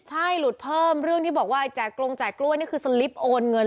ใช่หลุดเพิ่มเรื่องที่บอกว่าแจกกรงแจกกล้วยนี่คือสลิปโอนเงิน